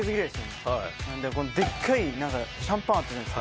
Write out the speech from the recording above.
でっかいシャンパンあったじゃないですか。